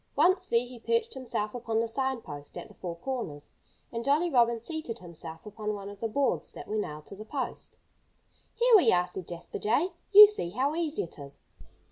Once there, he perched himself upon the sign post at the four corners. And Jolly Robin seated himself upon one of the boards that were nailed to the post. "Here we are!" said Jasper Jay. "You see how easy it is."